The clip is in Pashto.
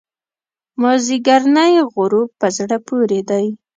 مازیګرنی غروب په زړه پورې دی.